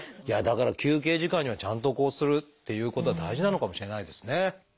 いやだから休憩時間にはちゃんとこうするっていうことは大事なのかもしれないですね。